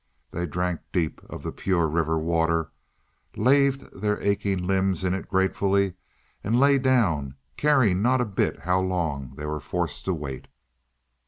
They drank deep of the pure river water, laved their aching limbs in it gratefully, and lay down, caring not a bit how long they were forced to wait.